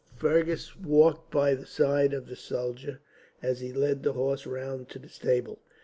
'" Fergus walked by the side of the soldier as he led the horse round to the stable.